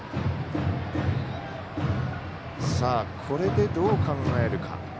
これで、どう考えるか。